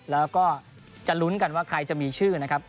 แล้วก็จะลุ้นกันว่าใครจะมีชื่อนะครับ